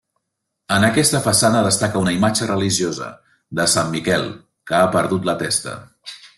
En aquesta façana destaca una imatge religiosa, de Sant Miquel, que ha perdut la testa.